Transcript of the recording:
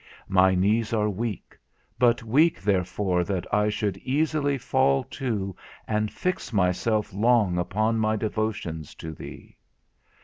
My knees are weak, but weak therefore that I should easily fall to and fix myself long upon my devotions to thee.